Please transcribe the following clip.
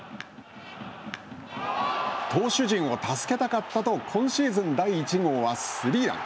投手陣を助けたかったと今シーズン第１号はスリーラン。